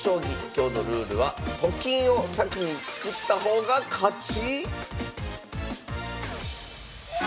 今日のルールはと金を先に作った方が勝ち⁉